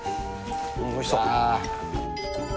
おいしそう。わ。